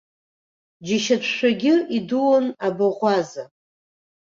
Џьашьатәшәагьы идуун абаӷәаза.